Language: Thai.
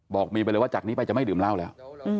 บีไปเลยว่าจากนี้ไปจะไม่ดื่มเหล้าแล้ว